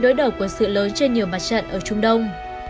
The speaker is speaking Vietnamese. với đối đầu quân sự lớn trên nhiều mặt trận ở trung đông